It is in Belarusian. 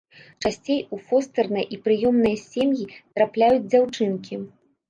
Часцей у фостэрныя і прыёмныя сем'і трапляюць дзяўчынкі.